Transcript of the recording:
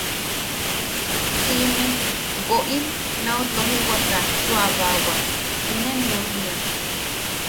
Siʼime woʼim nau tojiwaka suʼabaawa, inen ne au jiia.